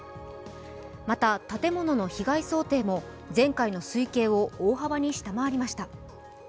また建物の被害想定も前回の推計を大幅に下回りました。